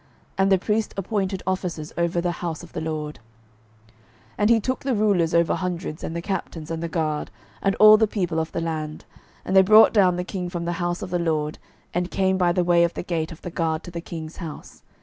And the priest appointed officers over the house of the LORD. 12:011:019 And he took the rulers over hundreds, and the captains, and the guard, and all the people of the land; and they brought down the king from the house of the LORD, and came by the way of the gate of the guard to the king's house.